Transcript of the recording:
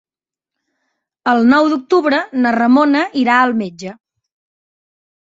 El nou d'octubre na Ramona irà al metge.